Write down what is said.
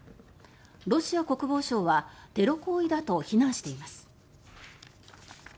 ロシア国防省はテロ行為だと非難しています。